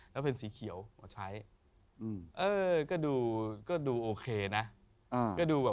แล้วเป็นสีเขียวก็ดูโอเคนะ